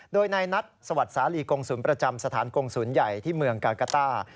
โดยในนัดสวัสดีสาหรี่กรงศูนย์ประจำสถานกรงศูนย์ใหญ่ที่เมืองการ์กัตต้า